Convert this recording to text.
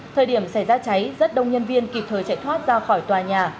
thời điểm xảy ra cháy rất đông nhân viên kịp thời chạy thoát ra khỏi tòa nhà